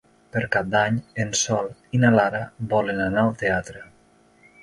Per Cap d'Any en Sol i na Lara volen anar al teatre.